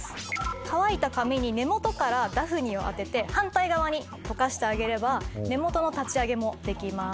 乾いた髪に根元からダフニを当てて反対側にとかしてあげれば根元の立ち上げもできます。